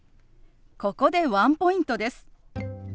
ここでワンポイントです。